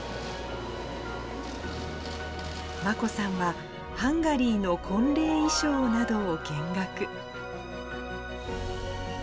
眞子さんは、ハンガリーの婚礼衣装などを見学。